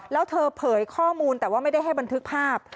แล้วเธอเผยข้อมูลแต่ว่าไม่ได้ให้บันทึกภาพ